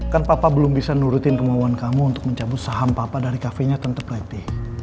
kan papa belum bisa nurutin kemampuan kamu untuk mencabut saham papa dari kafenya tante plety